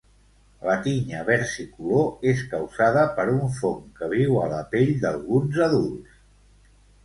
La tinya versicolor és causada per un fong que viu a la pell d'alguns adults.